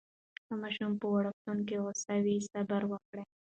که ماشوم پر وړکتون غوصه وي، صبر وکړئ.